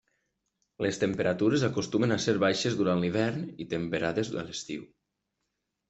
Les temperatures acostumen a ser baixes durant l'hivern i temperades a l'estiu.